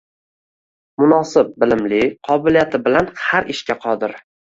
Munosib – bilimi, qobiliyati bilan har ishga qodir.